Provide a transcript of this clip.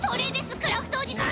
クラフトおじさん。